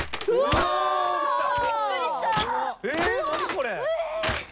これ！